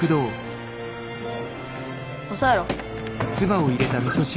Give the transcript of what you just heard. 押さえろ。